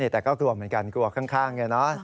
แต่ก็กลัวเหมือนกันกลัวข้างไงเนอะ